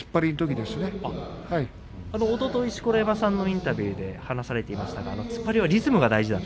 おととい錣山さんのインタビューで話されてましたが突っ張りはリズムが大事だと。